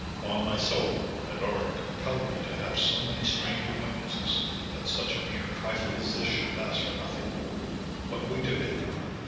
"'Pon my soul, my lord compelled me to have so many strange acquaintances, that such a mere trifle as this should pass for nothing. But wait a bit.